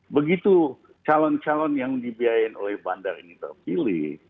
begitu calon calon yang dibiayain oleh bandar ini terpilih